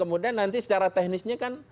kemudian nanti secara teknisnya kan